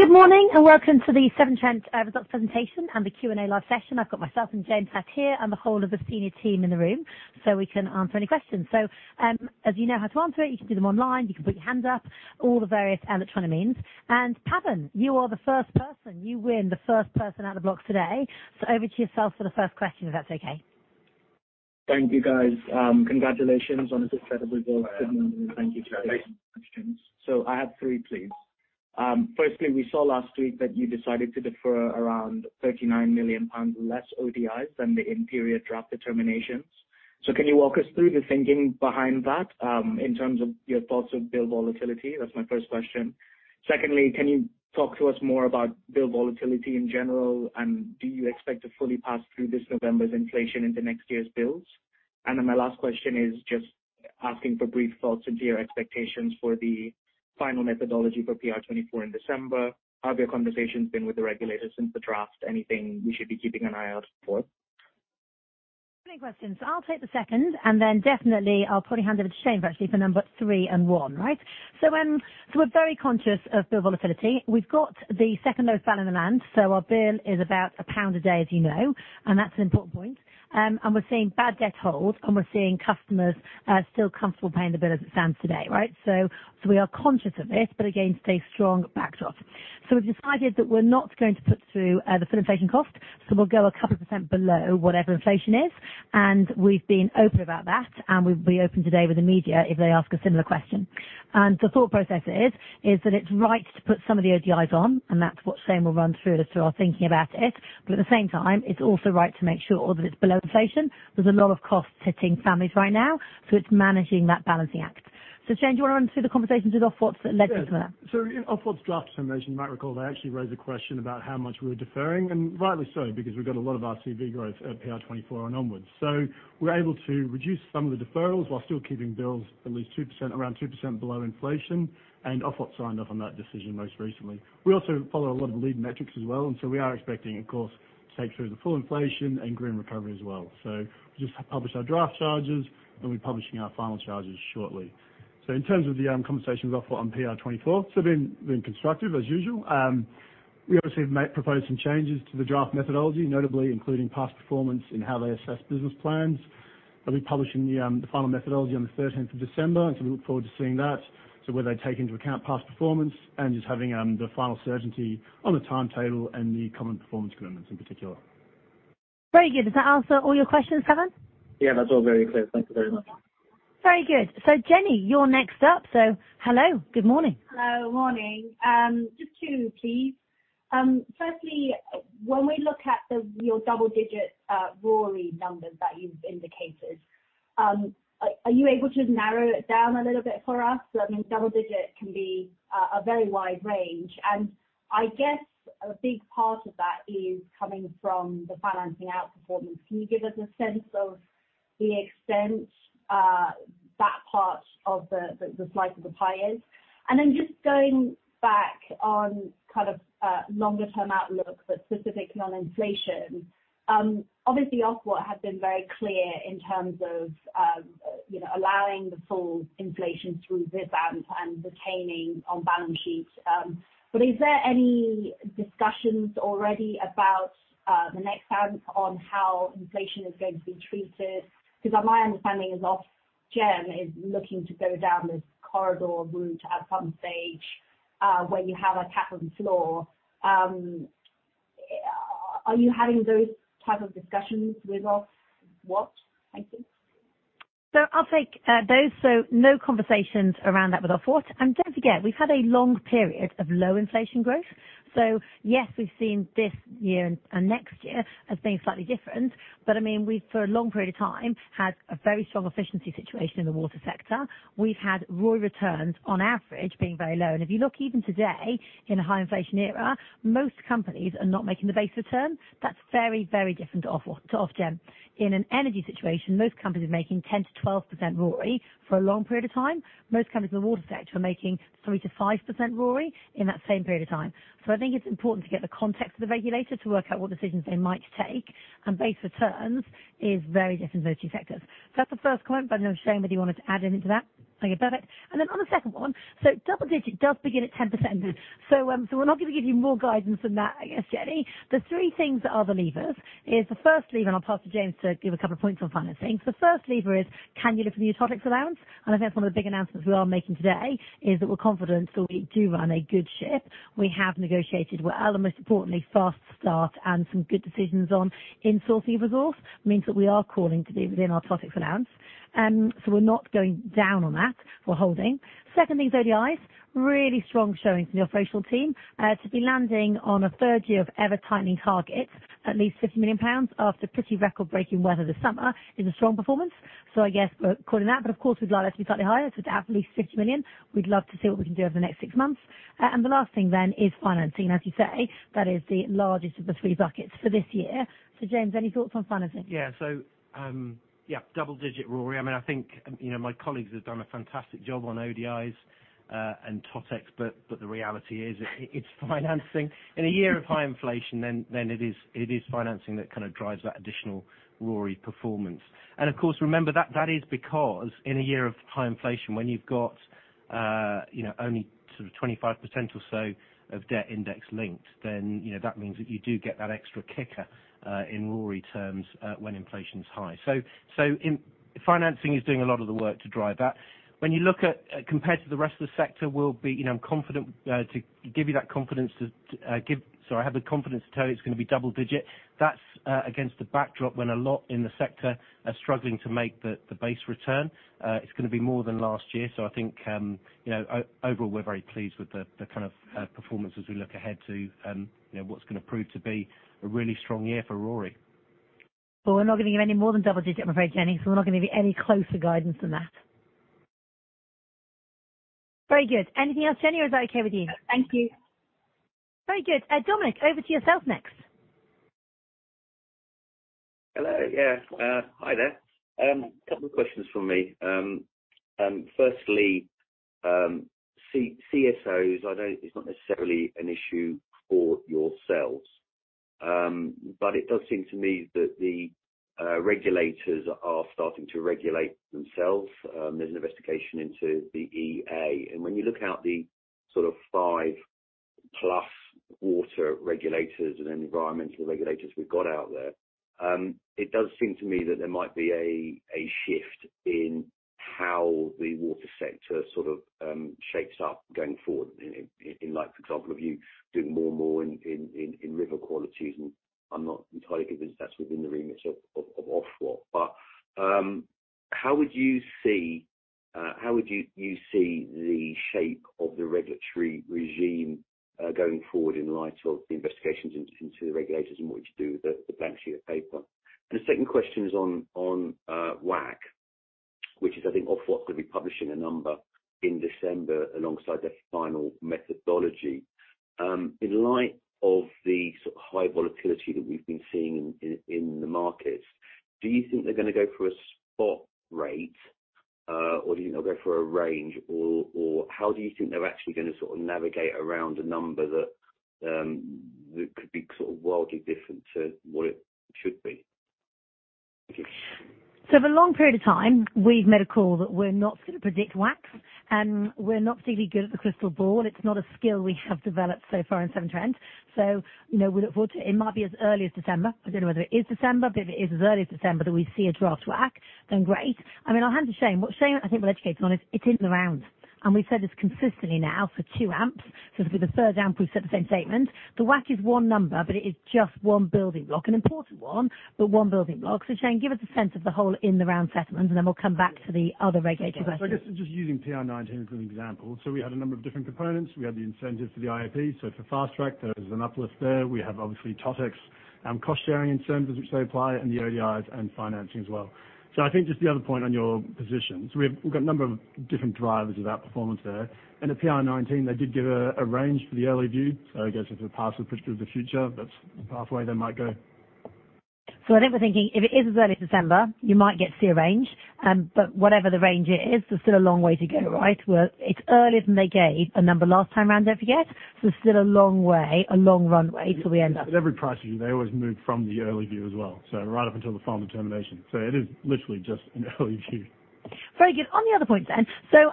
Good morning, and welcome to the Severn Trent results presentation and the Q&A live session. I've got myself and James Platt here and the whole of the senior team in the room, so we can answer any questions. As you know how to answer it, you can do them online, you can put your hand up, all the various electronic means. Pavan, you are the first person. You win the first person out of the block today. Over to yourself for the first question, if that's okay. Thank you, guys. Congratulations on this incredible result. Thank you. I have three, please. Firstly, we saw last week that you decided to defer around 39 million pounds less ODIs than the imperial draft determinations. Can you walk us through the thinking behind that, in terms of your thoughts of bill volatility? That's my first question. Secondly, can you talk to us more about bill volatility in general? Do you expect to fully pass through this November's inflation into next year's bills? My last question is just asking for brief thoughts into your expectations for the final methodology for PR24 in December. How have your conversations been with the regulators since the draft? Anything we should be keeping an eye out for? Any questions. I'll take the second. Then definitely I'll probably hand over to Shane actually for number three and one, right? We're very conscious of bill volatility. We've got the second lowest bill in the land. Our bill is about GBP 1 a day, as you know, and that's an important point. We're seeing bad debt hold, and we're seeing customers still comfortable paying the bill as it stands today, right? We are conscious of this, but again, stay strong, backed off. We've decided that we're not going to put through the full inflation cost. We'll go a couple of % below whatever inflation is. We've been open about that. We'll be open today with the media if they ask a similar question. The thought process is that it's right to put some of the ODIs on, and that's what Shane will run through just through our thinking about it. At the same time, it's also right to make sure that it's below inflation. There's a lot of costs hitting families right now, so it's managing that balancing act. Shane, do you wanna run through the conversations with Ofwat that led to that? Yeah. In Ofwat's draft determination, you might recall they actually raised a question about how much we're deferring, and rightly so, because we've got a lot of RCV growth at PR24 and onwards. We're able to reduce some of the deferrals while still keeping bills at least 2%, around 2% below inflation. Ofwat signed off on that decision most recently. We also follow a lot of lead metrics as well, we are expecting, of course, to take through the full inflation and Green Recovery as well. Just published our draft charges, and we're publishing our final charges shortly. In terms of the conversation with Ofwat on PR24, been constructive as usual. We obviously may propose some changes to the draft methodology, notably including past performance in how they assess business plans. They'll be publishing the final methodology on the 13th of December. We look forward to seeing that to where they take into account past performance and just having the final certainty on the timetable and the common performance agreements in particular. Very good. Does that answer all your questions, Pavan? Yeah. That's all very clear. Thank you very much. Very good. Jenny, you're next up. Hello. Good morning. Hello. Morning. Just two please. Firstly, when we look at your double digit RORI numbers that you've indicated, are you able to narrow it down a little bit for us? I mean, double digit can be a very wide range. I guess a big part of that is coming from the financing outperformance. Can you give us a sense of the extent that part of the slice of the pie is? Then just going back on kind of longer term outlook, but specifically on inflation, obviously Ofwat has been very clear in terms of, you know, allowing the full inflation through this band and retaining on balance sheets. Is there any discussions already about the next band on how inflation is going to be treated? My understanding is Ofgem is looking to go down this corridor route at some stage, where you have a cap and floor. Are you having those type of discussions with Ofwat, I think? I'll take those. No conversations around that with Ofwat. Don't forget, we've had a long period of low inflation growth. Yes, we've seen this year and next year as being slightly different. I mean, we've for a long period of time had a very strong efficiency situation in the water sector. We've had ROI returns on average being very low. If you look even today in a high inflation era, most companies are not making the base return. That's very, very different to Ofwat, to Ofgem. In an energy situation, most companies are making 10%-12% RORI for a long period of time. Most companies in the water sector are making 3%-5% RORI in that same period of time. I think it's important to get the context of the regulator to work out what decisions they might take. Base returns is very different to those two sectors. I don't know, Shane, whether you wanted to add anything to that. Okay, perfect. On the second one, double digit does begin at 10%. We're not gonna give you more guidance than that, I guess, Jenny. The three things that are the levers is the first lever, and I'll pass to James to give a couple of points on financing. The first lever is can you look for the Totex allowance? I think that's one of the big announcements we are making today, is that we're confident that we do run a good ship. We have negotiated well, and most importantly, fast start and some good decisions on in-sourcing of resource means that we are calling to be within our Totex allowance. We're not going down on that. We're holding. Second thing is ODIs. Really strong showing from your official team. To be landing on a third year of ever tightening targets, at least 50 million pounds after pretty record-breaking weather this summer is a strong performance. I guess we're calling that. Of course, we'd like that to be slightly higher. To have at least 60 million, we'd love to see what we can do over the next six months. The last thing is financing. As you say, that is the largest of the three buckets for this year. James, any thoughts on financing? Yeah. Yeah, double-digit RORI. I mean, I think, you know, my colleagues have done a fantastic job on ODIs and Totex, but the reality is it's financing. In a year of high inflation then, it is financing that kind of drives that additional RORI performance. Of course, remember that is because in a year of high inflation, when you've got, you know, only sort of 25% or so of debt index linked, then, you know, that means that you do get that extra kicker in RORE terms when inflation's high. Financing is doing a lot of the work to drive that. When you look at, compared to the rest of the sector, we'll be, you know, I'm confident to give you that confidence to give. I have the confidence to tell you it's gonna be double digit. That's against the backdrop when a lot in the sector are struggling to make the base return. It's gonna be more than last year. I think, you know, overall, we're very pleased with the kind of performance as we look ahead to, you know, what's gonna prove to be a really strong year for RORE. Well, we're not giving you any more than double digit, I'm afraid, Jenny. We're not gonna be any closer guidance than that. Very good. Anything else, Jenny? Or is that okay with you? Thank you. Very good. Dominic, over to yourself next. Hello. Hi there. A couple of questions from me. Firstly, CSOs, I know it's not necessarily an issue for yourselves, but it does seem to me that the regulators are starting to regulate themselves. There's an investigation into the EA. When you look out the sort of five plus water regulators and environmental regulators we've got out there, it does seem to me that there might be a shift in how the water sector sort of shapes up going forward. For example, if you do more and more in river qualities, I'm not entirely convinced that's within the remit of Ofwat. How would you see, how would you see the shape of the regulatory regime going forward in light of the investigations into the regulators and what you do with the blank sheet of paper? The second question is on WACC, which is, I think Ofwat is gonna be publishing a number in December alongside their final methodology. In light of the high volatility that we've been seeing in the markets, do you think they're gonna go for a spot rate or, you know, go for a range or how do you think they're actually gonna sort of navigate around a number that could be sort of wildly different to what it should be? For a long period of time, we've made a call that we're not gonna predict WACC, and we're not particularly good at the crystal ball. It's not a skill we have developed so far in Severn Trent. You know, we look forward to it. It might be as early as December. I don't know whether it is December, but if it is as early as December that we see a draft WACC, then great. I mean, I'll hand to Shane. What Shane, I think, will educate on is it is in the round. We've said this consistently now for two AMPs. It'll be the third AMP we've said the same statement. The WACC is one number, but it is just one building block, an important one, but one building block. Shane, give us a sense of the whole in the round settlement, and then we'll come back to the other regulatory questions. I guess just using PR19 as an example. We had a number of different components. We had the incentive for the IIP. For Fast Track, there was an uplift there. We have obviously Totex, cost sharing incentives, which they apply, and the ODIs and financing as well. I think just the other point on your position. We've got a number of different drivers of outperformance there. In the PR19, they did give a range for the early view. I guess if the past was predictive of the future, that's the pathway they might go. I think we're thinking if it is as early as December, you might get to see a range. Whatever the range is, there's still a long way to go, right? It's earlier than they gave a number last time around, don't forget. There's still a long way, a long runway till we end up. At every price, they always move from the early view as well, right up until the final determination. It is literally just an early view. Very good. On the other point, so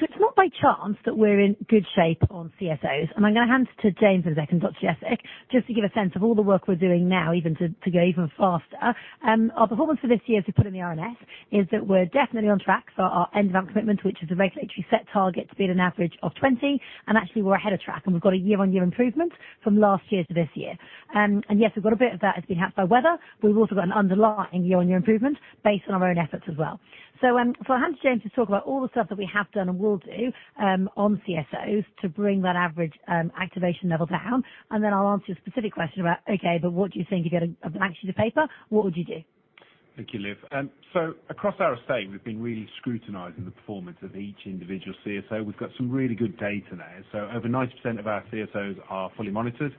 it's not by chance that we're in good shape on CSOs. I'm gonna hand to James for a second, Dr. Jasek, just to give a sense of all the work we're doing now even to go even faster. Our performance for this year, as we put in the RNS, is that we're definitely on track for our end of AMP commitment, which is a regulatory set target to be at an average of 20. Actually we're ahead of track, and we've got a year-on-year improvement from last year to this year. Yes, we've got a bit of that has been helped by weather. We've also got an underlying year-on-year improvement based on our own efforts as well. I'll hand to James to talk about all the stuff that we have done and will do on CSOs to bring that average activation level down. I'll answer the specific question about, okay, but what do you think you get a blank sheet of paper? What would you do? Thank you, Liv. Across our estate, we've been really scrutinizing the performance of each individual CSO. We've got some really good data there. Over 90% of our CSOs are fully monitored,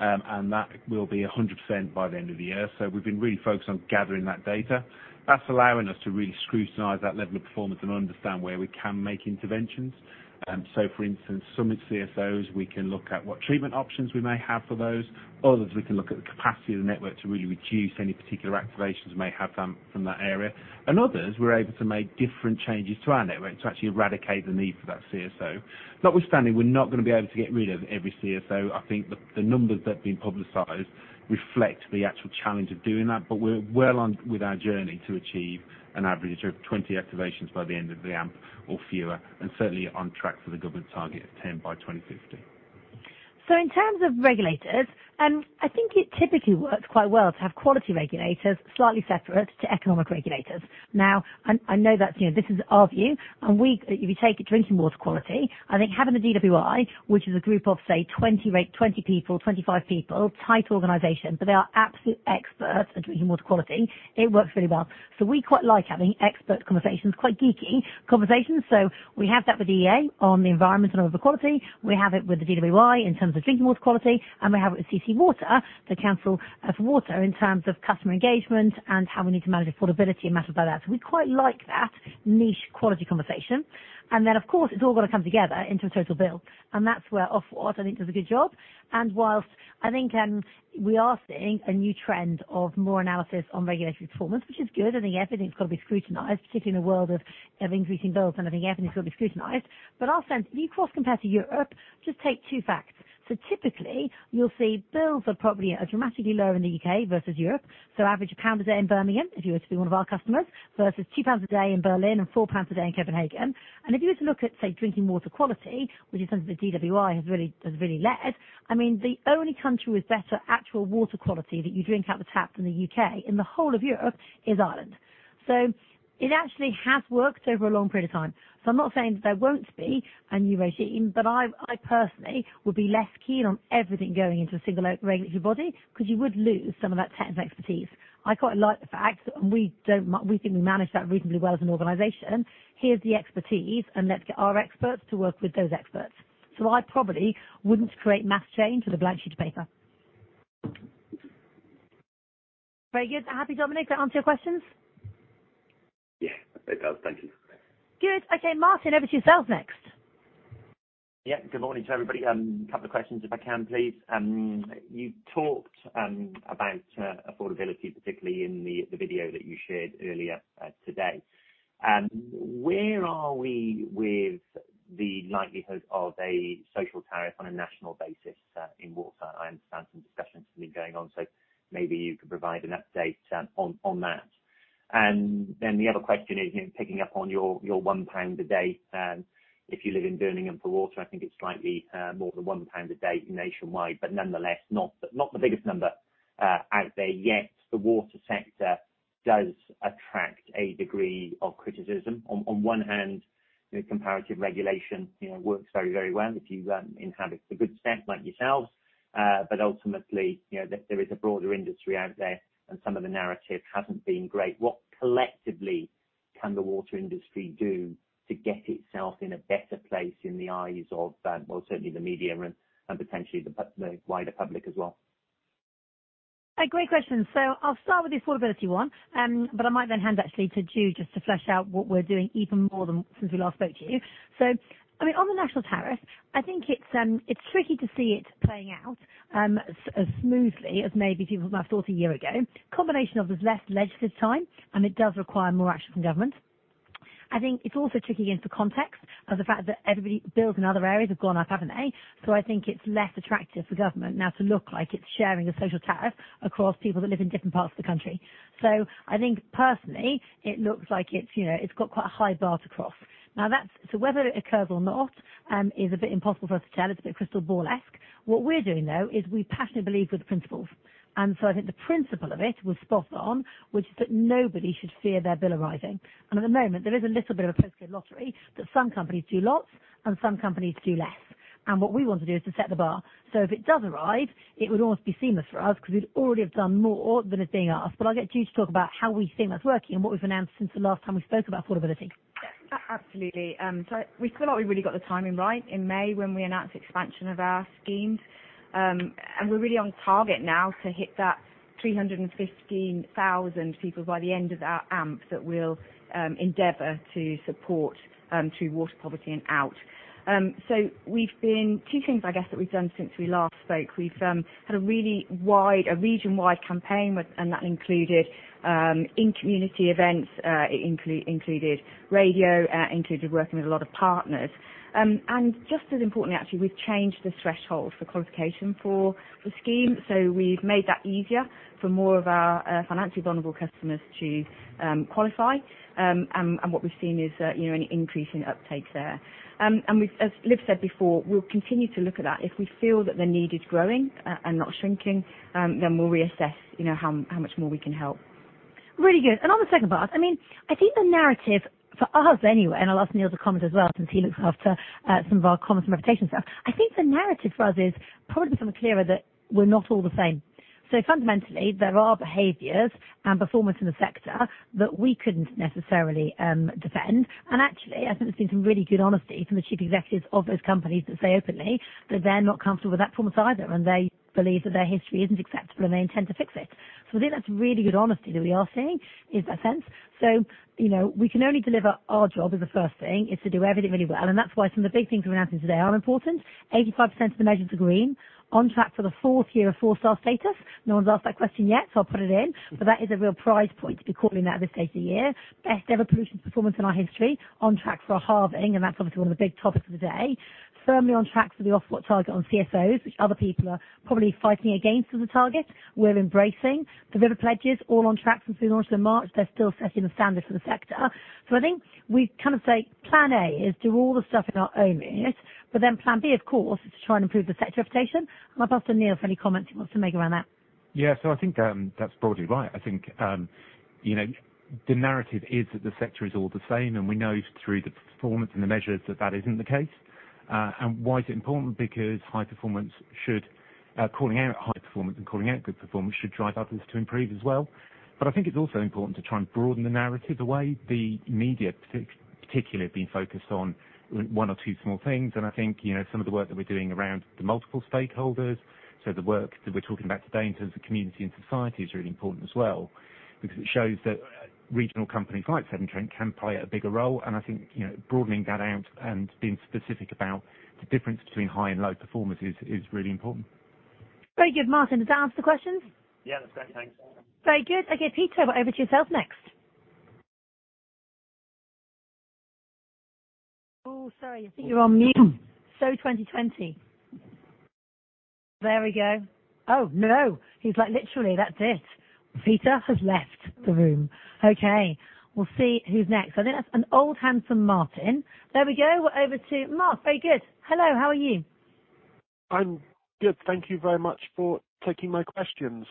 and that will be 100% by the end of the year. We've been really focused on gathering that data. That's allowing us to really scrutinize that level of performance and understand where we can make interventions. For instance, some CSOs, we can look at what treatment options we may have for those. Others, we can look at the capacity of the network to really reduce any particular activations we may have come from that area. Others, we're able to make different changes to our network to actually eradicate the need for that CSO. Notwithstanding, we're not gonna be able to get rid of every CSO. I think the numbers that have been publicized reflect the actual challenge of doing that, but we're well on with our journey to achieve an average of 20 activations by the end of the AMP or fewer, and certainly on track for the government target of 10 by 2050. In terms of regulators, I think it typically works quite well to have quality regulators slightly separate to economic regulators. I know that's, you know, this is our view, and if you take drinking water quality, I think having the DWI, which is a group of, say, 20 people, 25 people, tight organization, but they are absolute experts at drinking water quality, it works really well. We quite like having expert conversations, quite geeky conversations. We have that with EA on the environmental and river quality. We have it with the DWI in terms of drinking water quality, and we have it with CC Water, the Council of Water, in terms of customer engagement and how we need to manage affordability and matters like that. We quite like that niche quality conversation. Of course, it's all got to come together into a total bill, and that's where Ofwat, I think, does a good job. Whilst I think, we are seeing a new trend of more analysis on regulatory performance, which is good. I think everything's got to be scrutinized, particularly in a world of increasing bills, and I think everything's got to be scrutinized. Our sense, if you cross compare to Europe, just take two facts. Typically, you'll see bills are probably dramatically lower in the U.K. versus Europe. Average of GBP 1 a day in Birmingham, if you were to be one of our customers, versus 2 pounds a day in Berlin and 4 pounds a day in Copenhagen. If you were to look at, say, drinking water quality, which is something the DWI has really led, I mean, the only country with better actual water quality that you drink out the tap than the U.K. in the whole of Europe is Ireland. It actually has worked over a long period of time. I'm not saying that there won't be a new regime, but I personally would be less keen on everything going into a single regulatory body because you would lose some of that technical expertise. I quite like the fact, and we think we manage that reasonably well as an organization. Here's the expertise, and let's get our experts to work with those experts. I probably wouldn't create mass change with a blank sheet of paper. Very good. Happy, Dominic? That answer your questions? Yeah, it does. Thank you. Good. Okay, Martin, over to yourselves next. Yeah, good morning to everybody. Couple of questions if I can, please. You talked about affordability, particularly in the video that you shared earlier today. Where are we with the likelihood of a social tariff on a national basis in water? I understand some discussions have been going on, so maybe you could provide an update on that. The other question is, you know, picking up on your 1 pound a day, if you live in Birmingham for water, I think it's slightly more than 1 pound a day nationwide, but nonetheless not the biggest number out there yet. The water sector does attract a degree of criticism. On one hand, you know, comparative regulation, you know, works very, very well if you inhabit a good set like yourselves. Ultimately, you know, there is a broader industry out there, and some of the narrative hasn't been great. What collectively can the water industry do to get itself in a better place in the eyes of, well, certainly the media and potentially the wider public as well? A great question. I'll start with the affordability one, but I might then hand actually to Jude just to flesh out what we're doing even more than since we last spoke to you. I mean, on the national tariff, I think it's tricky to see it playing out as smoothly as maybe people might have thought a year ago. Combination of there's less legislative time, and it does require more action from government. I think it's also tricky against the context of the fact that bills in other areas have gone up, haven't they? I think it's less attractive for government now to look like it's sharing a social tariff across people that live in different parts of the country. I think personally it looks like it's, you know, it's got quite a high bar to cross. Now so whether it occurs or not, is a bit impossible for us to tell. It's a bit crystal ball-esque. What we're doing though, is we passionately believe with the principles. I think the principle of it was spot on, which is that nobody should fear their bill arriving. At the moment there is a little bit of a postcode lottery that some companies do lots and some companies do less. What we want to do is to set the bar, so if it does arrive, it would almost be seamless for us because we'd already have done more than is being asked. I'll get Jude to talk about how we see that's working and what we've announced since the last time we spoke about affordability. Absolutely. We feel like we really got the timing right in May when we announced expansion of our schemes. We're really on target now to hit that 315,000 people by the end of our AMP that we'll endeavor to support through water poverty and out. Two things I guess that we've done since we last spoke. We've had a really wide, a region-wide campaign that included in-community events. It included radio, included working with a lot of partners. Just as importantly, actually, we've changed the threshold for qualification for scheme. We've made that easier for more of our financially vulnerable customers to qualify. And what we've seen is, you know, an increase in uptake there. We've, as Liv said before, we'll continue to look at that. If we feel that the need is growing, and not shrinking, then we'll reassess, you know, how much more we can help. Really good. On the second part, I mean, I think the narrative for us anyway, I'll ask Neil to comment as well, since he looks after some of our comms and reputation stuff. I think the narrative for us is probably become clearer that we're not all the same. Fundamentally there are behaviors and performance in the sector that we couldn't necessarily defend. Actually, I think there's been some really good honesty from the chief executives of those companies that say openly that they're not comfortable with that performance either, and they believe that their history isn't acceptable, and they intend to fix it. I think that's really good honesty that we are seeing in that sense. You know, we can only deliver our job as a first thing, is to do everything really well. That's why some of the big things we're announcing today are important. 85% of the measures are green. On track for the fourth year of four-star status. No one's asked that question yet, so I'll put it in. That is a real pride point to be calling that at this stage of the year. Best ever pollution performance in our history. On track for halving, and that's obviously one of the big topics of the day. Firmly on track for the Ofwat target on CSOs, which other people are probably fighting against as a target. We're embracing. The river pledges all on track since we launched in March. They're still setting the standard for the sector. I think we kind of say plan A is do all the stuff in our own areas, but then plan B, of course, is to try to improve the sector reputation. I'll pass on to Neil for any comments he wants to make around that. Yeah. I think that's broadly right. I think, you know, the narrative is that the sector is all the same, and we know through the performance and the measures that that isn't the case. Why is it important? Because high performance should, calling out high performance and calling out good performance should drive others to improve as well. I think it's also important to try and broaden the narrative the way the media particularly has been focused on one or two small things. I think, you know, some of the work that we're doing around the multiple stakeholders, so the work that we're talking about today in terms of community and society is really important as well, because it shows that regional companies like Severn Trent can play a bigger role. I think, you know, broadening that out and being specific about the difference between high and low performance is really important. Very good. Martin, does that answer the questions? Yeah. That's great. Thanks. Very good. Okay, Peter, over to yourself next. Oh, sorry, I think you're on mute. 2020. There we go. Oh, no. He's like, literally, that's it. Peter has left the room. Okay. We'll see who's next. I think that's an old handsome Martin. There we go. Over to Mark. Very good. Hello, how are you? I'm good. Thank you very much for taking my questions.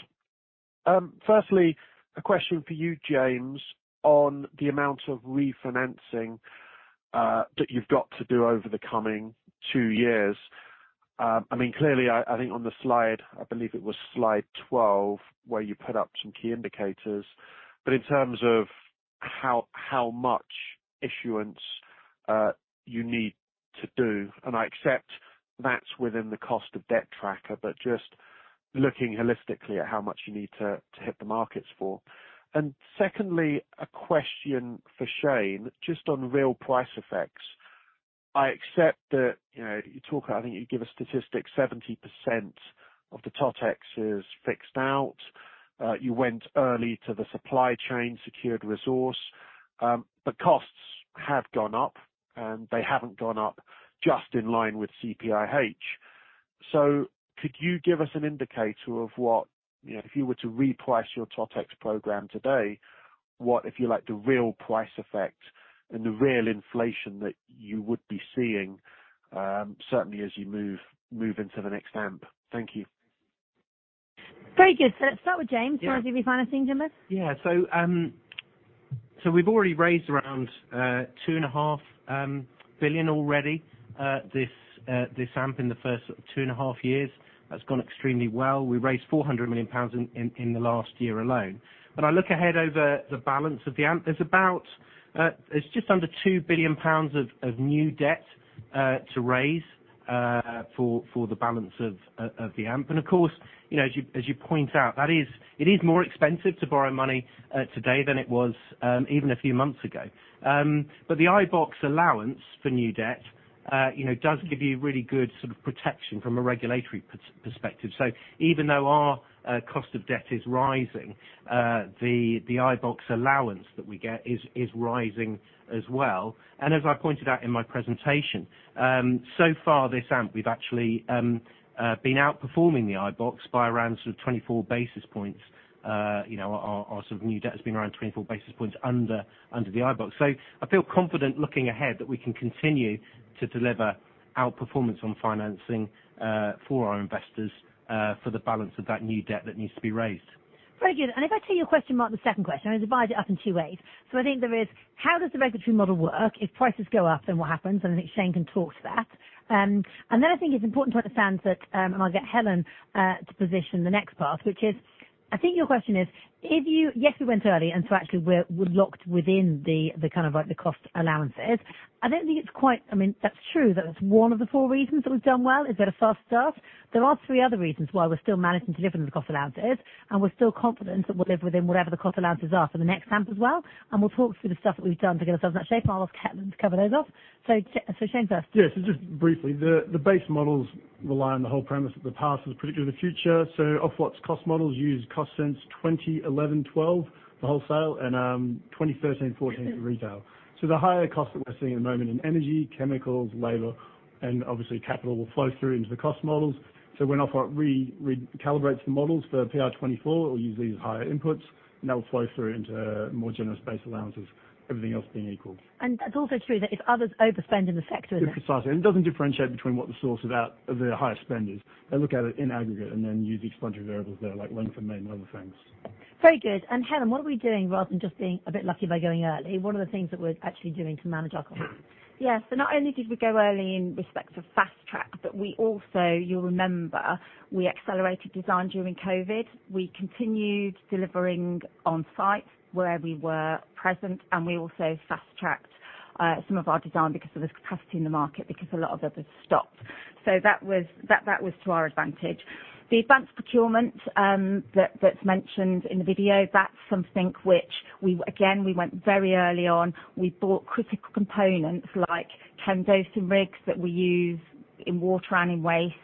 Firstly, a question for you, James, on the amount of refinancing that you've got to do over the coming two years. I mean, clearly I think on the slide, I believe it was slide 12 where you put up some key indicators, but in terms of how much issuance you need to do, and I accept that's within the cost of debt tracker, but just looking holistically at how much you need to hit the markets for. Secondly, a question for Shane, just on real price effects. I accept that, you know, you talk, I think you give a statistic 70% of the TotEx is fixed out. You went early to the supply chain secured resource. The costs have gone up, and they haven't gone up just in line with CPIH. Could you give us an indicator of what, you know, if you were to reprice your Totex program today, what, if you like, the real price effect and the real inflation that you would be seeing, certainly as you move into the next AMP? Thank you. Very good. Let's start with James. Yeah. In terms of refinancing, James. Yeah. We've already raised around 2.5 billion already this AMP in the first 2.5 years. That's gone extremely well. We raised 400 million pounds in the last year alone. When I look ahead over the balance of the AMP, there's about just under 2 billion pounds of new debt to raise for the balance of the AMP. Of course, you know, as you point out, it is more expensive to borrow money today than it was even a few months ago. The iBoxx allowance for new debt, you know, does give you really good sort of protection from a regulatory perspective. Even though our cost of debt is rising, the iBoxx allowance that we get is rising as well. As I pointed out in my presentation, so far this AMP, we've actually been outperforming the iBoxx by around sort of 24 basis points. You know, our sort of new debt has been around 24 basis points under the iBoxx. I feel confident looking ahead that we can continue to deliver outperformance on financing, for our investors, for the balance of that new debt that needs to be raised. Very good. If I take your question, Mark, the second question, I divide it up in two ways. I think there is, how does the regulatory model work? If prices go up, then what happens? I think Shane can talk to that. I think it's important to understand that, and I'll get Helen to position the next part, which is I think your question is, yes, we went early, actually we're locked within the kind of, like, the cost allowances. I don't think it's quite. I mean, that's true that it's one of the four reasons that we've done well is we had a fast start. There are three other reasons why we're still managing to deliver the cost allowances, and we're still confident that we'll live within whatever the cost allowances are for the next AMP as well, and we'll talk through the stuff that we've done to get ourselves in that shape, and I'll ask Helen to cover those off. Shane first. Just briefly, the base models rely on the whole premise that the past is predictive of the future. Ofwat's cost models use cost since 2011, 2012 for wholesale and 2013, 2014 for retail. The higher costs that we're seeing at the moment in energy, chemicals, labor, and obviously capital will flow through into the cost models. When Ofwat re-calibrates the models for PR24, it'll use these higher inputs, and that will flow through into more generous base allowances, everything else being equal. It's also true that if others overspend in the sector, isn't it? Yes, precisely. It doesn't differentiate between what the source of that, of the higher spend is. They look at it in aggregate then use these predictor variables there like length and main other things. Very good. Helen, what are we doing rather than just being a bit lucky by going early? What are the things that we're actually doing to manage our costs? Not only did we go early in respect of Fast Track, but we also, you'll remember, we accelerated design during COVID. We continued delivering on site where we were present, and we also fast-tracked some of our design because of this capacity in the market because a lot of others stopped. That was to our advantage. The advanced procurement that's mentioned in the video, that's something which we, again, we went very early on. We bought critical components like dosing rigs that we use in water and in waste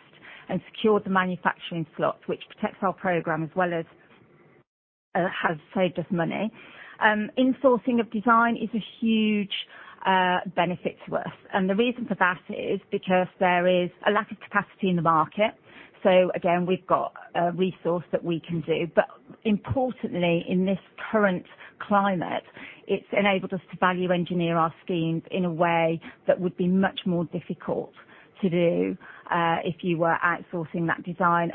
and secured the manufacturing slots, which protects our program as well as has saved us money. Insourcing of design is a huge benefit to us. The reason for that is because there is a lack of capacity in the market. Again, we've got a resource that we can do. Importantly, in this current climate, it's enabled us to value engineer our schemes in a way that would be much more difficult to do if you were outsourcing that design.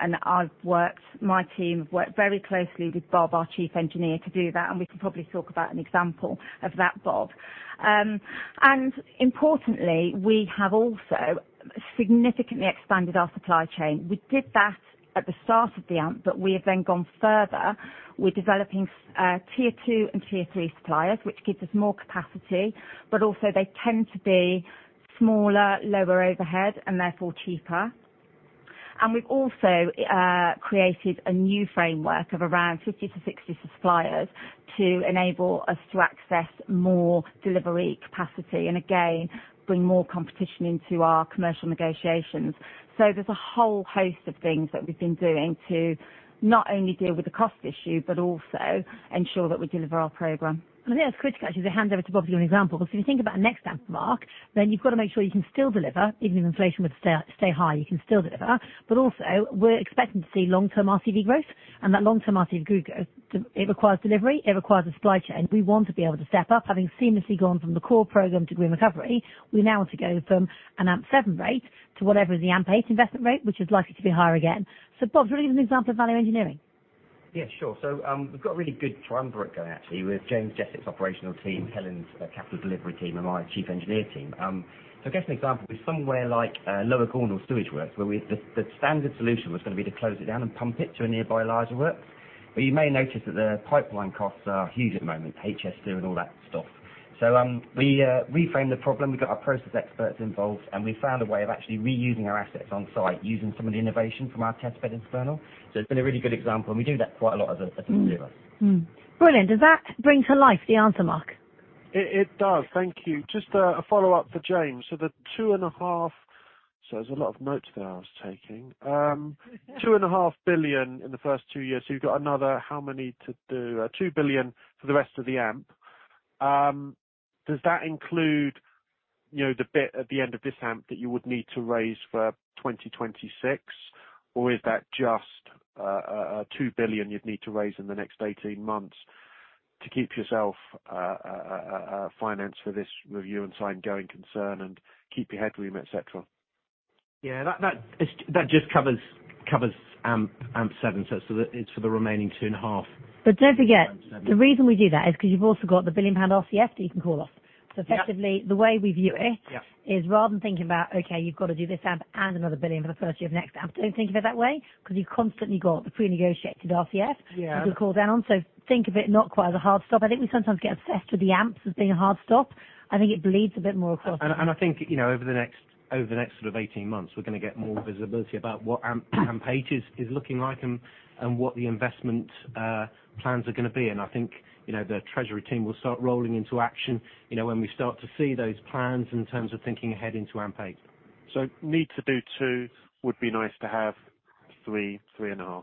My team have worked very closely with Bob, our Chief Engineer, to do that, and we can probably talk about an example of that, Bob. Importantly, we have also significantly expanded our supply chain. We did that at the start of the AMP, but we have then gone further with developing tier two and tier three suppliers, which gives us more capacity, but also they tend to be smaller, lower overhead, and therefore cheaper. We've also created a new framework of around 50 to 60 suppliers to enable us to access more delivery capacity and again, bring more competition into our commercial negotiations. There's a whole host of things that we've been doing to not only deal with the cost issue, but also ensure that we deliver our program. I think that's critical actually, to hand over to Bob to give an example, because if you think about next AMP, Mark, then you've got to make sure you can still deliver, even if inflation were to stay high, you can still deliver. Also, we're expecting to see long-term RCV growth, and that long-term RCV growth, it requires delivery, it requires a supply chain. We want to be able to step up. Having seamlessly gone from the core program to Green Recovery, we now want to go from an AMP7 rate to whatever is the AMP8 investment rate, which is likely to be higher again. Bob, do you want to give them an example of value engineering? Yeah, sure. We've got a really good triumvirate going actually with James Jessop's operational team, Helen's capital delivery team, and my chief engineer team. I guess an example is somewhere like Lower Gornal sewage works, where we the standard solution was gonna be to close it down and pump it to a nearby larger work. You may notice that the pipeline costs are huge at the moment, HS2, and all that stuff. We reframed the problem. We got our process experts involved, and we found a way of actually reusing our assets on-site using some of the innovation from our test bed in Fernhill. It's been a really good example, and we do that quite a lot as a group. Mm-hmm. Brilliant. Does that bring to life the answer, Mark? It does. Thank you. Just a follow-up for James. The two and a half... There's a lot of notes there I was taking. two and a half billion in the first two years. You've got another how many to do? 2 billion for the rest of the AMP. Does that include, you know, the bit at the end of this AMP that you would need to raise for 2026? Or is that just a 2 billion you'd need to raise in the next 18 months to keep yourself a finance for this review and sign going concern and keep your headroom, et cetera? Yeah. That just covers AMP7. That it's for the remaining 2.5. Don't forget, the reason we do that is 'cause you've also got the 1 billion pound RCF that you can call off. Yeah. effectively the way we view it. Yeah -is rather than thinking about, okay, you've got to do this AMP and another 1 billion for the first year of next AMP. Don't think of it that way, 'cause you've constantly got the pre-negotiated RCF- Yeah that you can call down. Think of it not quite as a hard stop. I think we sometimes get obsessed with the AMPs as being a hard stop. I think it bleeds a bit more across. I think, you know, over the next sort of 18 months, we're gonna get more visibility about what AMP 8 is looking like and what the investment plans are gonna be. I think, you know, the treasury team will start rolling into action, you know, when we start to see those plans in terms of thinking ahead into AMP 8. Need to do two, would be nice to have 3.5.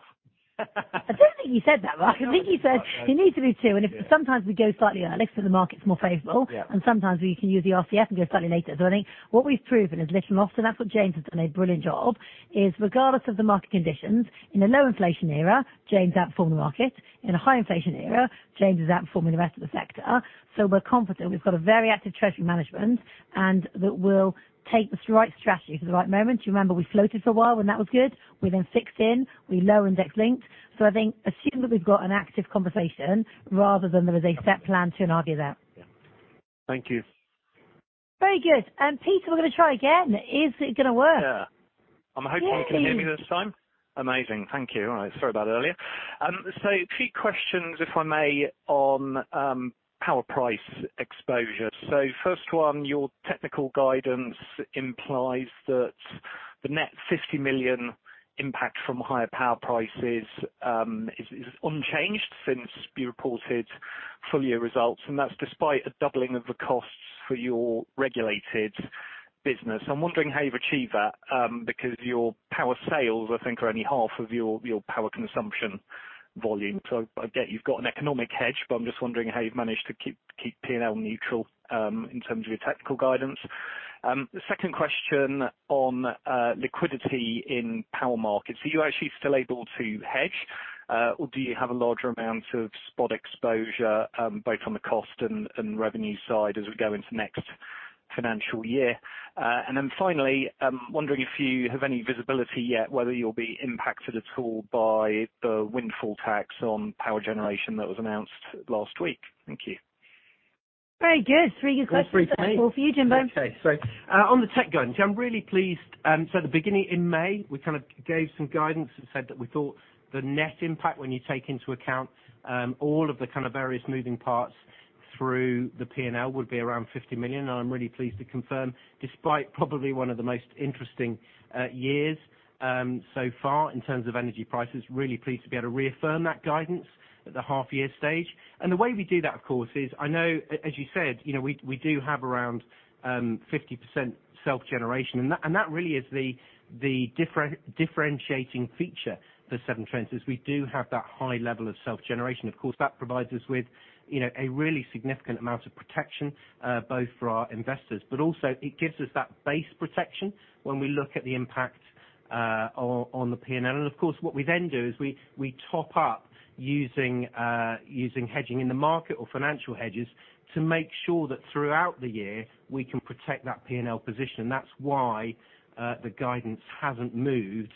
I don't think you said that, Mark. I think you said you need to do two, and if sometimes we go slightly early, so the market's more favorable. Yeah. Sometimes we can use the RCF and go slightly later. I think what we've proven is little often, that's what James has done a brilliant job, is regardless of the market conditions, in a low inflation era, James outperforming the market. In a high inflation era, James is outperforming the rest of the sector. We're confident. We've got a very active treasury management, and that we'll take the right strategy for the right moment. You remember we floated for a while when that was good. We then fixed in, we low index linked. I think assume that we've got an active conversation rather than there is a set plan to and argue that. Yeah. Thank you. Very good. Peter, we're gonna try again. Is it gonna work? Yeah. I'm hoping you can hear me this time. Amazing. Thank you. All right. Sorry about that earlier. Two questions if I may on power price exposure. First one, your technical guidance implies that the net 50 million impact from higher power prices is unchanged since you reported full year results, and that's despite a doubling of the costs for your regulated business. I'm wondering how you've achieved that because your power sales I think are only half of your power consumption volume. I get you've got an economic hedge, but I'm just wondering how you've managed to keep P&L neutral in terms of your technical guidance. The second question on liquidity in power markets. Are you actually still able to hedge, or do you have a larger amount of spot exposure, both on the cost and revenue side as we go into next financial year? Finally, I'm wondering if you have any visibility yet whether you'll be impacted at all by the windfall tax on power generation that was announced last week. Thank you. Very good. Three good questions. All for you, Jimbo. Okay. On the tech guidance, I'm really pleased. At the beginning in May, we kind of gave some guidance that said that we thought the net impact when you take into account all of the kind of various moving parts through the P and L would be around 50 million. I'm really pleased to confirm, despite probably one of the most interesting years so far in terms of energy prices, really pleased to be able to reaffirm that guidance at the half year stage. The way we do that, of course, is I know as you said, you know, we do have around 50% self-generation. That really is the differentiating feature for Severn Trent is we do have that high level of self-generation. That provides us with, you know, a really significant amount of protection, both for our investors. Also it gives us that base protection when we look at the impact on the P&L. Of course, what we then do is we top up using hedging in the market or financial hedges to make sure that throughout the year we can protect that P&L position. That's why, the guidance hasn't moved,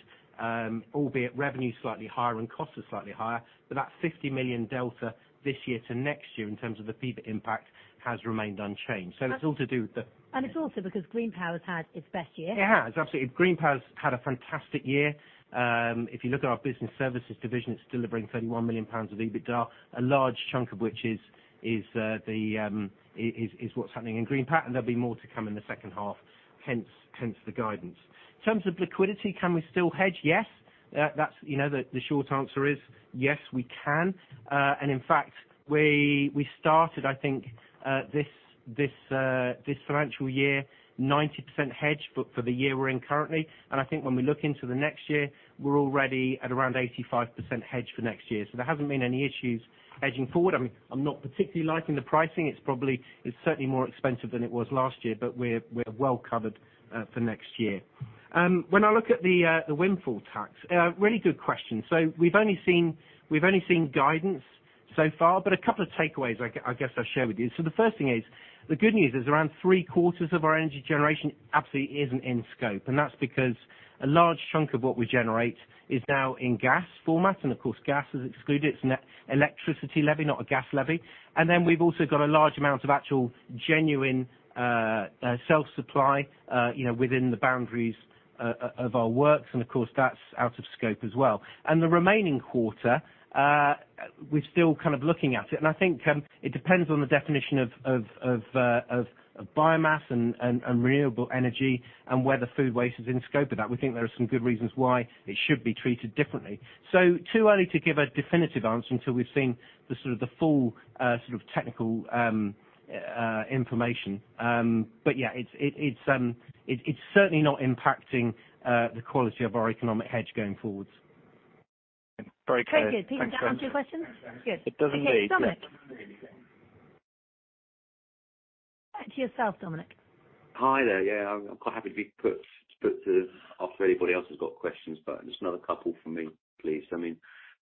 albeit revenue's slightly higher and costs are slightly higher, but that 50 million delta this year to next year in terms of the fee but impact has remained unchanged. It's all to do with the- It's also because Green Power's had its best year. It has. Absolutely. Green Power's had a fantastic year. If you look at our business services division, it's delivering 31 million pounds of EBITDA, a large chunk of which is the is what's happening in Green Power. There'll be more to come in the second half, hence the guidance. In terms of liquidity, can we still hedge? Yes. That's, you know, the short answer is, yes, we can. In fact, we started, I think, this financial year 90% hedged for the year we're in currently. I think when we look into the next year, we're already at around 85% hedged for next year. There hasn't been any issues hedging forward. I'm not particularly liking the pricing. It's probably... It's certainly more expensive than it was last year. We're well covered for next year. When I look at the windfall tax, really good question. We've only seen guidance so far, but a couple of takeaways I guess I'll share with you. The first thing is, the good news is around three-quarters of our energy generation absolutely isn't in scope, and that's because a large chunk of what we generate is now in gas format. Of course, gas is excluded. It's an electricity levy, not a gas levy. We've also got a large amount of actual genuine self-supply, you know, within the boundaries of our works. Of course, that's out of scope as well. The remaining quarter, we're still kind of looking at it. I think, it depends on the definition of biomass and renewable energy and whether food waste is in scope of that. We think there are some good reasons why it should be treated differently. Too early to give a definitive answer until we've seen the full technical information. Yeah, it's certainly not impacting the quality of our economic hedge going forwards. Very clear. Thanks, James. Very good. Seem to have answered your question? Good. It doesn't me. Okay, Dominic. Back to yourself, Dominic. Hi there. Yeah, I'm quite happy to be put off if anybody else has got questions, but just another couple from me, please. I mean,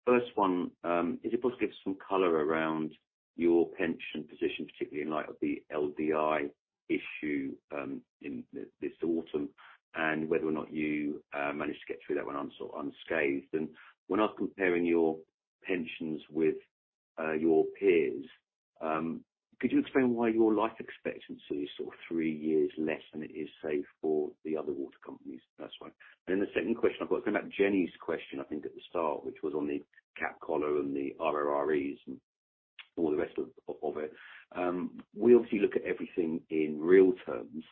first one, is it possible to give us some color around your pension position, particularly in light of the LDI issue in this autumn, and whether or not you managed to get through that one unscathed? When I was comparing your pensions with your peers, could you explain why your life expectancy is sort of three years less than it is, say, for the other water companies? That's one. The second question I've got is about Jenny's question, I think, at the start, which was on the cap collar and the ROREs and all the rest of it. We obviously look at everything in real terms,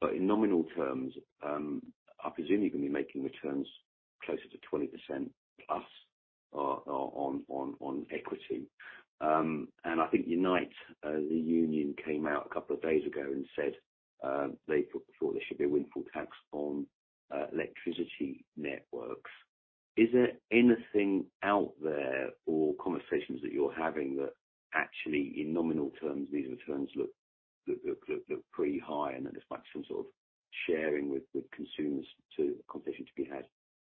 but in nominal terms, I presume you're going to be making returns closer to 20%+ on equity. I think Unite, the union came out a couple of days ago and said they thought there should be a windfall tax on electricity networks. Is there anything out there or conversations that you're having that actually, in nominal terms, these returns look pretty high and that there's some sort of sharing with consumers to conversation to be had?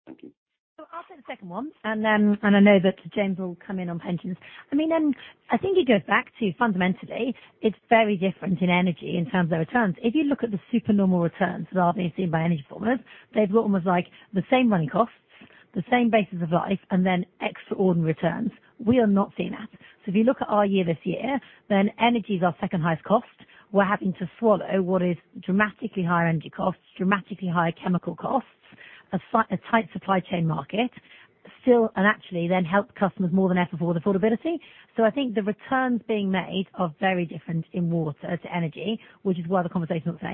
Thank you. I'll take the second one, and then, and I know that James will come in on pensions. I mean, I think it goes back to fundamentally, it's very different in energy in terms of returns. If you look at the super normal returns that are being seen by energy performers, they've got almost like the same running costs, the same basis of life, and then extraordinary returns. We are not seeing that. If you look at our year this year, then energy is our second highest cost. We're having to swallow what is dramatically higher energy costs, dramatically higher chemical costs, a tight supply chain market, still and actually then help customers more than ever for affordability. I think the returns being made are very different in water to energy, which is why the conversation's not the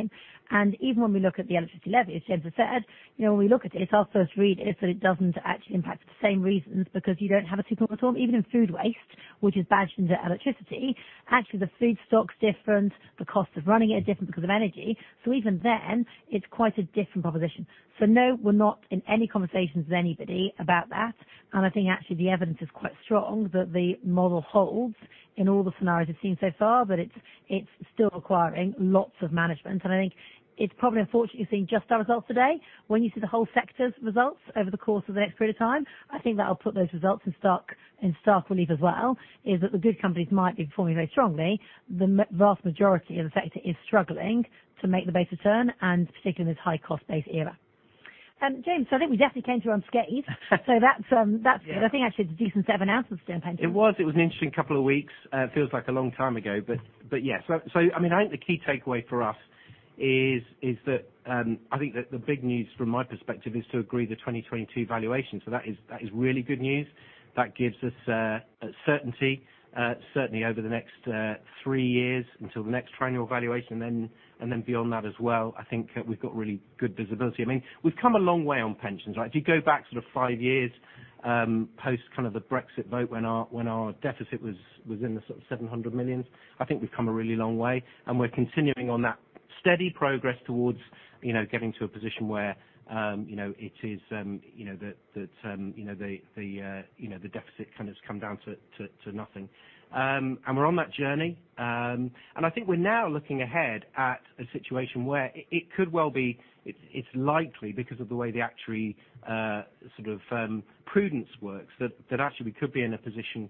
same. Even when we look at the electricity levy, as James has said, you know, when we look at it, our first read is that it doesn't actually impact the same reasons because you don't have a super normal. Even in food waste, which is badged into electricity, actually the food stock's different, the cost of running it is different because of energy. Even then, it's quite a different proposition. No, we're not in any conversations with anybody about that. I think actually the evidence is quite strong that the model holds in all the scenarios we've seen so far, but it's still requiring lots of management. I think it's probably unfortunate you're seeing just our results today. When you see the whole sector's results over the course of the next period of time, I think that'll put those results in stark relief as well, is that the good companies might be performing very strongly. The vast majority of the sector is struggling to make the basic return, and particularly in this high-cost-base era. James, I think we definitely came through unscathed. That's good. Yeah. I think actually a decent set of announcements to impact it. It was an interesting couple of weeks. It feels like a long time ago. Yes. I mean, I think the key takeaway for us is that, I think that the big news from my perspective is to agree the 2022 valuation. That is really good news. That gives us certainty certainly over the next three years until the next triennial valuation. And then beyond that as well, I think we've got really good visibility. I mean, we've come a long way on pensions, right? If you go back sort of five years, post kind of the Brexit vote when our deficit was in the sort of 700 million, I think we've come a really long way. We're continuing on that steady progress towards, you know, getting to a position where, you know, it is, you know, that, you know, the, you know, the deficit kind of has come down to nothing. We're on that journey. I think we're now looking ahead at a situation where it could well be, it's likely because of the way the actuary sort of prudence works, that actually we could be in a position,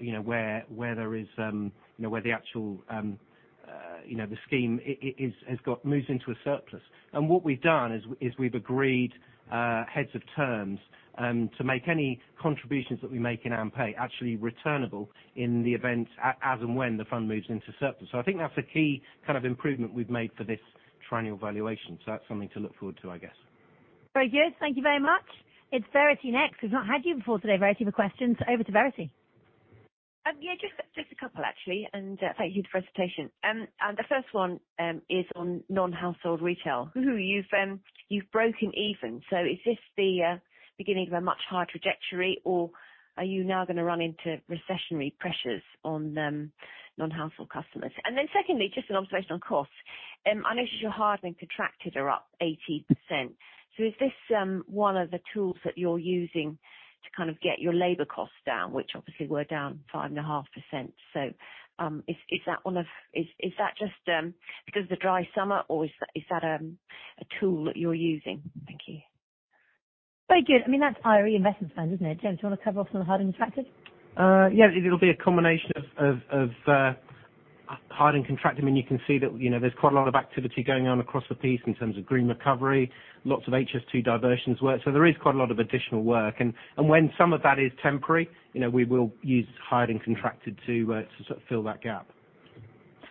you know, where there is, you know, where the actual, you know, the scheme is has got moves into a surplus. What we've done is we've agreed heads of terms to make any contributions that we make in AMPAY actually returnable in the event as and when the fund moves into surplus. I think that's a key kind of improvement we've made for this triennial valuation. That's something to look forward to, I guess. Very good. Thank you very much. It's Verity next. We've not had you before today, Verity, for questions. Over to Verity. Yeah, just a couple actually, thank you for the presentation. The first one is on non-household retail. You've broken even. Is this the beginning of a much higher trajectory, or are you now gonna run into recessionary pressures on non-household customers? Secondly, just an observation on costs. I notice your hardening contracted are up 80%. Is this one of the tools that you're using to kind of get your labor costs down, which obviously were down 5.5%? Is that just because of the dry summer, or is that a tool that you're using? Thank you. Very good. I mean, that's IRE investment spend, isn't it? James, do you wanna cover off on the hired and contracted? Yeah. It'll be a combination of hired and contracted. I mean, you can see that, you know, there's quite a lot of activity going on across the piece in terms of Green Recovery. Lots of HS2 diversions work. There is quite a lot of additional work, and when some of that is temporary, you know, we will use hired and contracted to fill that gap.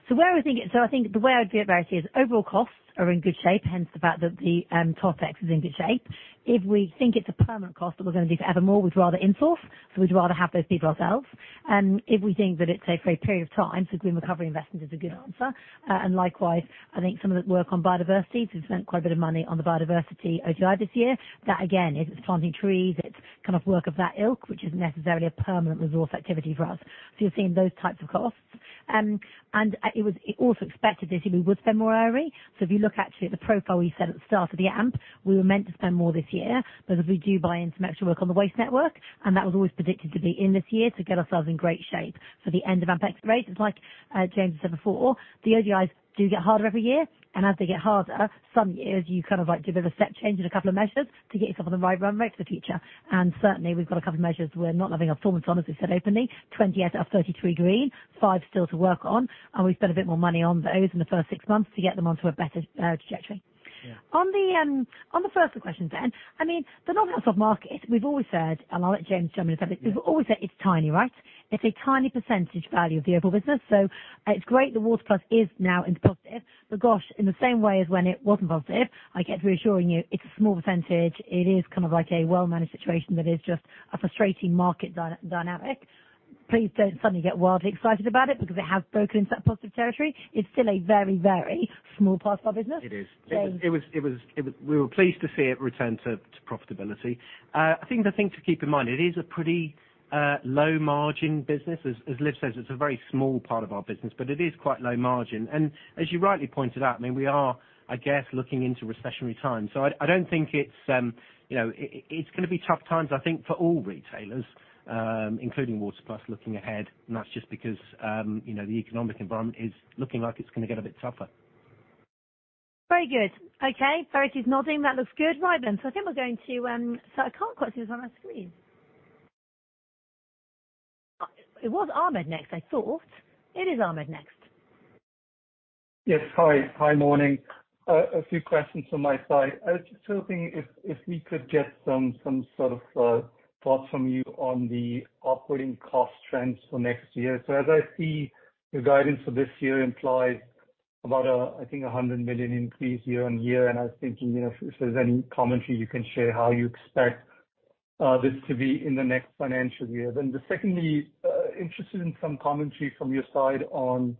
I think the way I'd do it, Verity, is overall costs are in good shape, hence the fact that the TOTEX is in good shape. If we think it's a permanent cost that we're gonna do for evermore, we'd rather in-source. We'd rather have those people ourselves. If we think that it's say for a period of time, Green Recovery investment is a good answer. Likewise, I think some of the work on biodiversity, we've spent quite a bit of money on the biodiversity ODI this year. That again, it's planting trees, it's kind of work of that ilk, which isn't necessarily a permanent resource activity for us. You're seeing those types of costs. It was also expected this year we would spend more IRE. If you look actually at the profile we set at the start of the AMP, we were meant to spend more this year because we do buy in some extra work on the waste network, and that was always predicted to be in this year to get ourselves in great shape for the end of AMP expiration. It's like James said before, the ODIs do get harder every year, and as they get harder, some years you kind of like do a bit of a step change in a couple of measures to get yourself on the right runway for the future. Certainly, we've got a couple of measures we're not having our performance on, as we've said openly, 20 out of 33 green, five still to work on, and we've spent a bit more money on those in the first six months to get them onto a better trajectory. Yeah. On the, on the first of the questions then, I mean, the non-household market, we've always said, and I'll let James jump in a second. Yeah. We've always said it's tiny, right? It's a tiny percentage value of the overall business. It's great that Water Plus is now into positive. Gosh, in the same way as when it wasn't positive, I get reassuring you, it's a small percentage. It is kind of like a well-managed situation that is just a frustrating market dynamic. Please don't suddenly get wildly excited about it because it has broken into that positive territory. It's still a very small part of our business. It is. James. It was. We were pleased to see it return to profitability. I think the thing to keep in mind, it is a pretty low-margin business. As Liv says, it's a very small part of our business, but it is quite low margin. As you rightly pointed out, I mean, we are, I guess, looking into recessionary times. I don't think it's, you know. It's gonna be tough times, I think, for all retailers, including Water Plus looking ahead. That's just because, you know, the economic environment is looking like it's gonna get a bit tougher. Very good. Okay. Verity's nodding. That looks good. Right. I can't quite see who's on our screen. It was Ahmed next, I thought. It is Ahmed next. Yes. Hi. Morning. A few questions from my side. I was just hoping if we could get some sort of thoughts from you on the operating cost trends for next year. As I see, the guidance for this year implies about, I think, a 100 million increase year-over-year, and I was thinking, you know, if there's any commentary you can share how you expect this to be in the next financial year. Secondly, interested in some commentary from your side on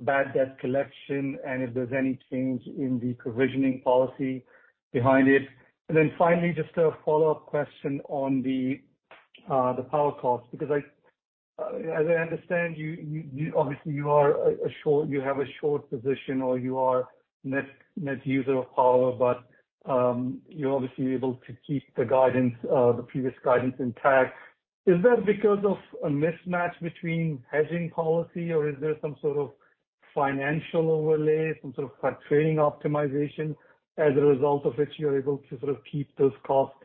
bad debt collection and if there's any change in the provisioning policy behind it. Finally, just a follow-up question on the power cost, because I, as I understand, you obviously you have a short position or you are net user of power, but you're obviously able to keep the guidance, the previous guidance intact. Is that because of a mismatch between hedging policy or is there some sort of financial overlay, some sort of trading optimization as a result of which you're able to sort of keep those costs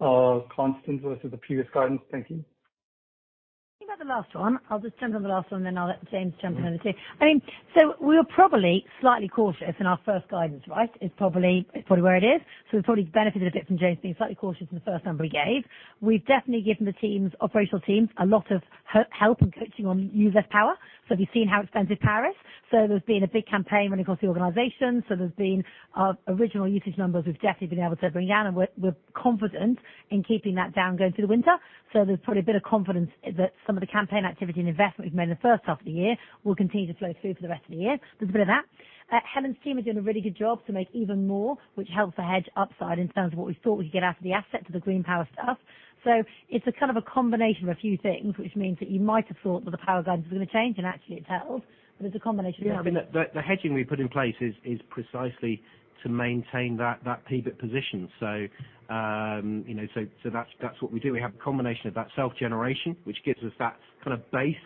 constant versus the previous guidance? Thank you. Think about the last one. I'll just jump on the last one, then I'll let James jump in on the two. I mean, we were probably slightly cautious in our first guidance, right? It's probably where it is. We've probably benefited a bit from James being slightly cautious in the first number he gave. We've definitely given the teams, operational teams a lot of help and coaching on use less power. We've seen how expensive power is. There's been a big campaign running across the organization. There's been original usage numbers we've definitely been able to bring down, and we're confident in keeping that down going through the winter. There's probably a bit of confidence that some of the campaign activity and investment we've made in the first half of the year will continue to flow through for the rest of the year. There's a bit of that. Helen's team are doing a really good job to make even more, which helps the hedge upside in terms of what we thought we'd get out of the asset to the Green Power stuff. It's a kind of a combination of a few things, which means that you might have thought that the power guide was gonna change, and actually it held, but it's a combination of that. Yeah. I mean, the hedging we put in place is precisely to maintain that PBIT position. You know, that's what we do. We have a combination of that self-generation, which gives us that kind of base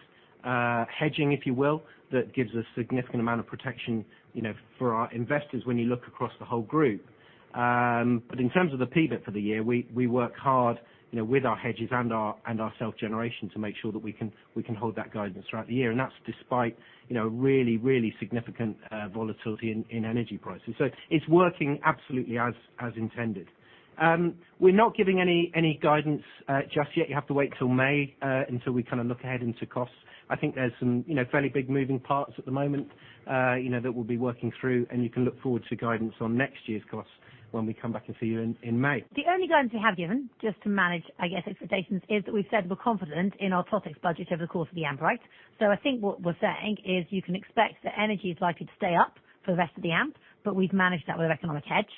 hedging, if you will, that gives a significant amount of protection, you know, for our investors when you look across the whole group. In terms of the PBIT for the year, we work hard, you know, with our hedges and our self-generation to make sure that we can hold that guidance throughout the year. That's despite, you know, significant volatility in energy prices. It's working absolutely as intended. We're not giving any guidance just yet. You have to wait till May, until we kinda look ahead into costs. I think there's some, you know, fairly big moving parts at the moment, you know, that we'll be working through, and you can look forward to guidance on next year's costs when we come back and see you in May. The only guidance we have given, just to manage, I guess, expectations, is that we've said we're confident in our Totex budget over the course of the AMP, right? I think what we're saying is you can expect that energy is likely to stay up for the rest of the AMP, but we've managed that with economic hedge.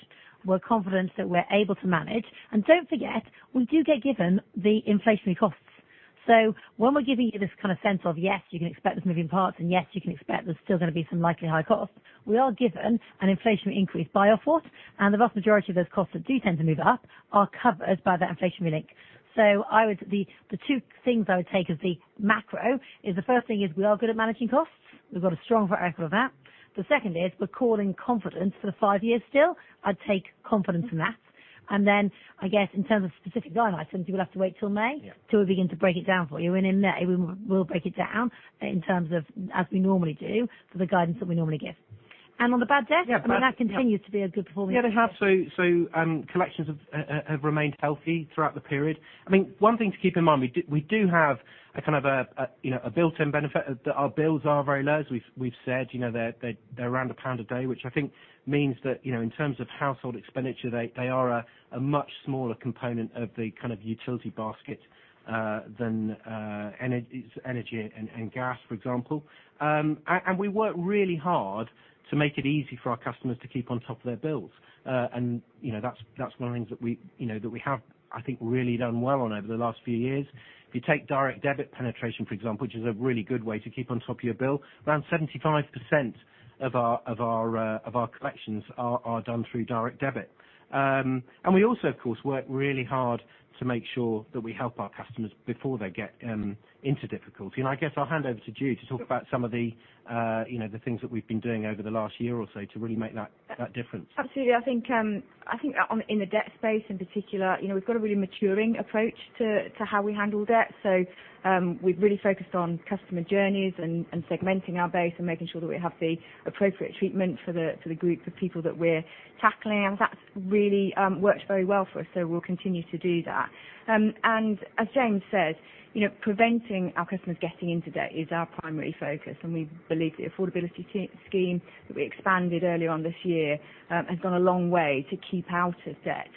We're confident that we're able to manage. Don't forget, we do get given the inflationary costs. When we're giving you this kinda sense of, yes, you can expect there's moving parts, and yes, you can expect there's still gonna be some likely high costs, we are given an inflationary increase by Ofwat, and the vast majority of those costs that do tend to move up are covered by that inflationary link. The two things I would take as the macro is the first thing is we are good at managing costs. We've got a strong track record of that. The second is we're calling confidence for the five years still. I'd take confidence in that. I guess in terms of specific guidelines, I think we'll have to wait till May. Yeah. till we begin to break it down for you. In May, we'll break it down in terms of as we normally do for the guidance that we normally give. On the bad debt. Yeah. I mean, that continues to be a good performing-. Yeah, they have. Collections have remained healthy throughout the period. I mean, one thing to keep in mind, we do have a kind of a, you know, a built-in benefit. Our bills are very low, as we've said. You know, they're around GBP 1 a day, which I think means that, you know, in terms of household expenditure, they are a much smaller component of the kind of utility basket than energy and gas, for example. We work really hard to make it easy for our customers to keep on top of their bills. That's one of the things that we, you know, that we have I think really done well on over the last few years. If you take direct debit penetration, for example, which is a really good way to keep on top of your bill, around 75% of our, of our, of our collections are done through direct debit. We also of course work really hard to make sure that we help our customers before they get into difficulty. I guess I'll hand over to Jude to talk about some of the, you know, the things that we've been doing over the last year or so to really make that difference. Absolutely. I think in the debt space in particular, you know, we've got a really maturing approach to how we handle debt. We've really focused on customer journeys and segmenting our base and making sure that we have the appropriate treatment for the group of people that we're tackling. That's really worked very well for us. We'll continue to do that. As James said, you know, preventing our customers getting into debt is our primary focus, and we believe the affordability scheme that we expanded early on this year has gone a long way to keep out of debt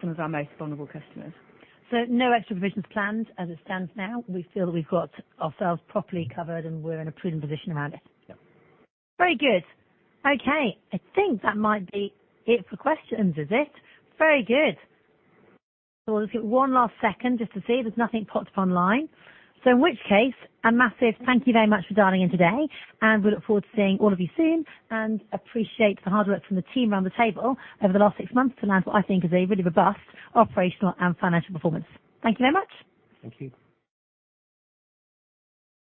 some of our most vulnerable customers. No extra provisions planned as it stands now. We feel that we've got ourselves properly covered, and we're in a prudent position around it. Yeah. Very good. Okay, I think that might be it for questions. Is it? Very good. We'll just get one last second just to see if there's nothing popped up online. In which case, a massive thank you very much for dialing in today, and we look forward to seeing all of you soon and appreciate the hard work from the team around the table over the last six months to land what I think is a really robust operational and financial performance. Thank you very much. Thank you.